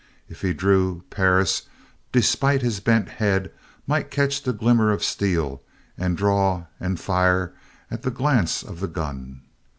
If he drew, Perris, despite his bent head might catch the glimmer of steel and draw and fire at the glance of the gun.